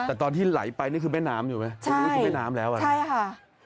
แต่ตอนที่ไหลไปนี่คือแม่น้ำอยู่ไหมใช่แม่น้ำแล้วใช่ค่ะ